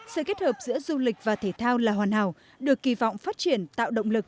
sự kết hợp giữa du lịch và thể thao là hoàn hảo được kỳ vọng phát triển tạo động lực